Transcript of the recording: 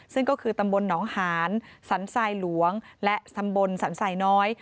ซึ่งก็คือตำบลหนองหานสรรทรายหลวงและตำบลสรรสายน้อย